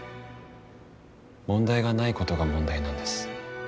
問題がないことが問題なんです。